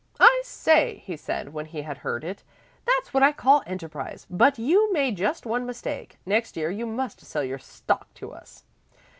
"I say," he said when he had heard it, "that's what I call enterprise, but you made just one mistake. Next year you must sell your stock to us.